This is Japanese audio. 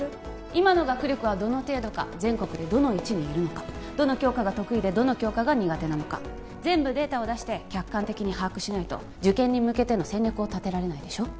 今の学力はどの程度か全国でどの位置にいるのかどの教科が得意でどの教科が苦手なのか全部データを出して客観的に把握しないと受験に向けての戦略を立てられないでしょ